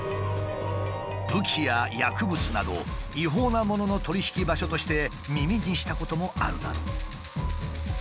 武器や薬物など違法なものの取り引き場所として耳にしたこともあるだろう。